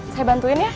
saya bantuin ya